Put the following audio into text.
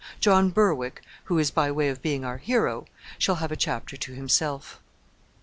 John Berwick, who is by way of being our hero, shall have a chapter to himself.